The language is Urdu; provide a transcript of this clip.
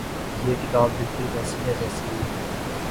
یہ کتاب بالکل ویسی ہے جیسی میری